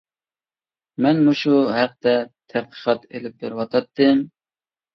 مەن مۇشۇ ھەقتە تەتقىقات ئېلىپ بېرىۋاتاتتىم.